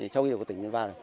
sau khi của tỉnh vào